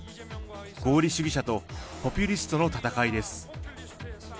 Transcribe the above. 合理主義者とポピュリストの戦いです。